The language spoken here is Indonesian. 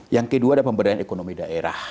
yang kedua ada pemberdayaan ekonomi daerah